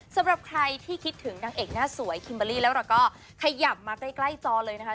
สำหรับใครที่คิดถึงนางเอกหน้าสวยคิมเบอร์รี่แล้วเราก็ขยับมาใกล้จอเลยนะคะ